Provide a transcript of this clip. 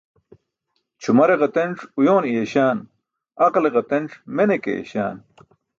Ćʰumare ģatenc uyoone yeeśaan, aqle ģatenc mene ke eeyśaan.